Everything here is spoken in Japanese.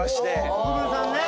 国分さんね。